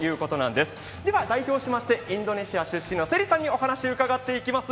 では代表しましてインドネシア出身のセリさんにお話を伺います。